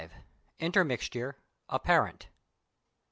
INTERMIXTURE, APPARENT.